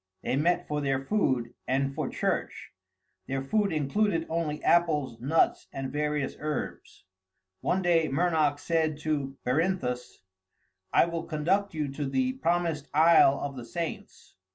They met for their food and for church; their food included only apples, nuts, and various herbs. One day Mernoc said to Berinthus, "I will conduct you to the Promised Isle of the Saints."